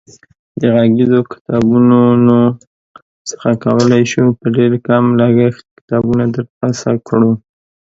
د غږیزو کتابتونونو څخه کولای شو په ډېر کم لګښت کتابونه ترلاسه کړو.